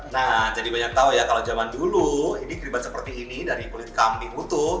nah jadi banyak tahu ya kalau zaman dulu ini keribet seperti ini dari kulit kambing utuh